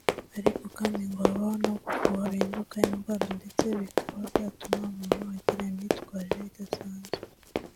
ariko kandi ngo habaho no gufuha bihinduka indwara ndetse bikaba byatuma umuntu agira imyitwarire idasanzwe